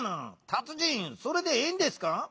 たつじんそれでええんですか？